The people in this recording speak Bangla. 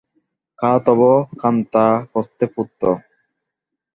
কা তব কান্তা কস্তে পুত্রঃ।